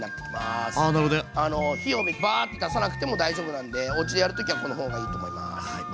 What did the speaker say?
あなるほどね。火をバーッと出さなくても大丈夫なんでおうちでやる時はこの方がいいと思います。